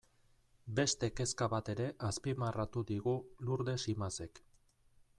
Beste kezka bat ere azpimarratu digu Lurdes Imazek.